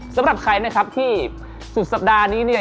สำหรับใครนะครับที่สุดสัปดาห์นี้เนี่ย